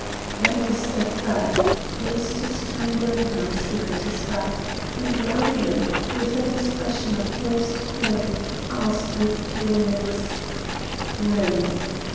Then he stepped back, placed his trembling hands behind his back, and loudly, with an expression of forced calm, asked with pale lips: "When?"